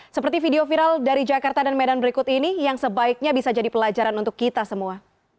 seperti video viral dari jakarta dan medan berikut ini yang sebaiknya bisa jadi pelajaran untuk kita semua